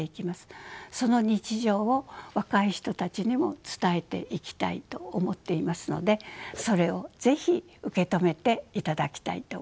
その日常を若い人たちにも伝えていきたいと思っていますのでそれを是非受け止めていただきたいと思います。